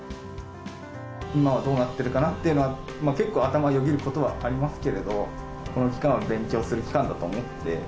今はどうなっているかなというのは、結構、頭よぎることはありますけど、この期間は勉強する期間だと思って。